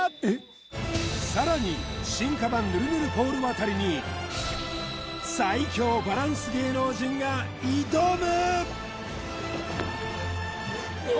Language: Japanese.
さらに進化版ぬるぬるポール渡りに最強バランス芸能人が挑む